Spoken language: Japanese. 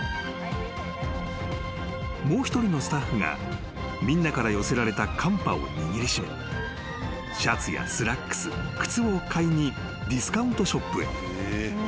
［もう一人のスタッフがみんなから寄せられたカンパを握り締めシャツやスラックス靴を買いにディスカウントショップへ］